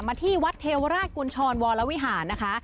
มาที่วัดเทวราชกุญชรวรวิหาเนีย